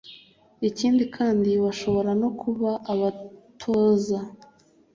ikindi kandi bashobora no kuba abatoza